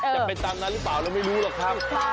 จะเป็นตามนั้นหรือเปล่าเราไม่รู้หรอกครับ